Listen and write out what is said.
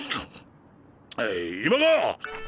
今川！